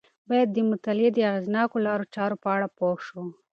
باید د مطالعې د اغیزناکو لارو چارو په اړه پوه شو.